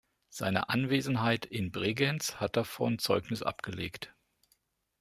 Seine Anwesenheit in Bregenz hat davon Zeugnis abgelegt.